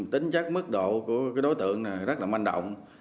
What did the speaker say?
tính chắc mức độ của đối tượng rất là manh động